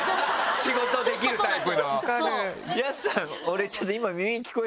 仕事できるタイプの。